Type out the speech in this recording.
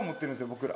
僕ら。